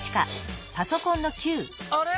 あれ？